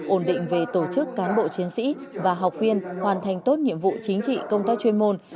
ổn định về tổ chức cán bộ chiến sĩ và học viên hoàn thành tốt nhiệm vụ chính trị công tác chuyên môn